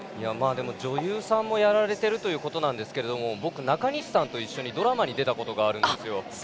女優さんもやられているということですが僕、中西さんと一緒にドラマに出たことがあるんです。